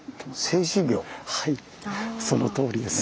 はいそのとおりです。